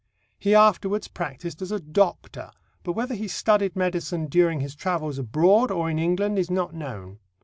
He afterwards practised as a doctor, but whether he studied medicine during his travels abroad or in England is not known.